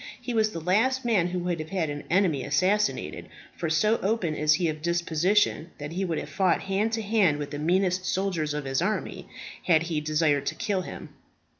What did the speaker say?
He was the last man who would have had an enemy assassinated; for so open is he of disposition, that he would have fought hand to hand with the meanest soldier of his army, had he desired to kill him."